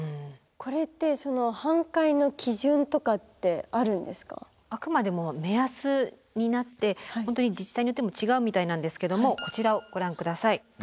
これってあくまでも目安になって本当に自治体によっても違うみたいなんですけどもこちらをご覧下さい。